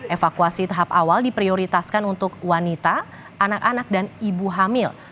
evakuasi tahap awal diprioritaskan untuk wanita anak anak dan ibu hamil